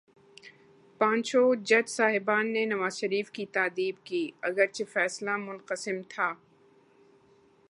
پانچوں جج صاحبان نے نواز شریف کی تادیب کی، اگرچہ فیصلہ منقسم تھا۔